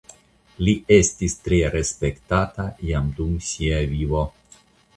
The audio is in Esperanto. Li estis tre respektata jam dum sia vivo.